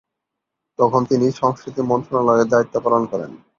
তখন তিনি সংস্কৃতি মন্ত্রণালয়ের দায়িত্ব পালন করেন।